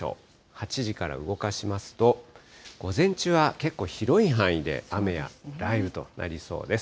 ８時から動かしますと、午前中は結構広い範囲で雨や雷雨となりそうです。